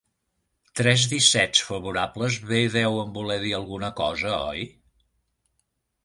Tres dissets favorables bé deuen voler dir alguna cosa, oi?